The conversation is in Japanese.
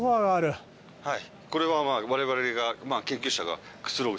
はい。